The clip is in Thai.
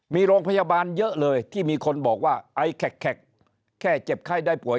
มีโรงพยาบาลเยอะเลยที่มีคนบอกว่าไอแขกแค่เจ็บไข้ได้ป่วย